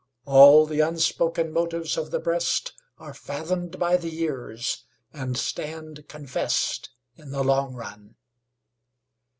All the unspoken motives of the breast Are fathomed by the years and stand confess'd In the long run.